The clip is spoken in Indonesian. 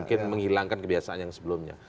mungkin menghilangkan kebiasaan yang sebelumnya